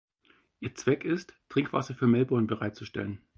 Ihr Zweck ist, Trinkwasser für Melbourne bereitzustellen.